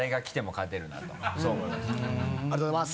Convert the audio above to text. ありがとうございます。